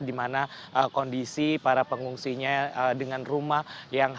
di mana kondisi para pengungsinya dengan rumah yang